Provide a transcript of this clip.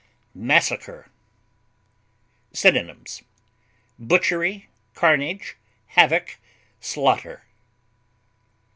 MASSACRE. Synonyms: butchery, carnage, havoc, slaughter.